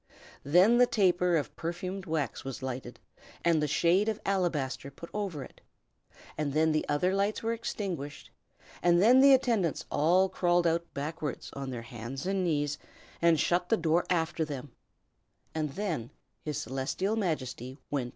Then the taper of perfumed wax was lighted, and the shade of alabaster put over it, and then the other lights were extinguished; and then the attendants all crawled out backwards on their hands and knees, and shut the door after them; and then His Celestial Majesty went to sleep.